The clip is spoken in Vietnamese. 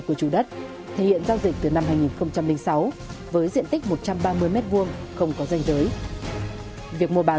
của chủ đất thể hiện giao dịch từ năm hai nghìn sáu với diện tích một trăm ba mươi m hai không có danh giới việc mua bán